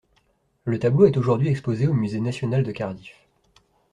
Le tableau est aujourd'hui exposé au musée national de Cardiff.